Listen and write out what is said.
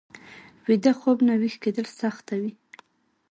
ویده خوب نه ويښ کېدل سخته وي